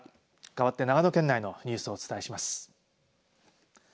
かわって、長野県内のニュースをお伝えします。